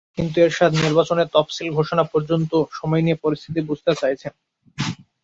কিন্তু এরশাদ নির্বাচনের তফসিল ঘোষণা পর্যন্ত সময় নিয়ে পরিস্থিতি বুঝতে চাইছেন।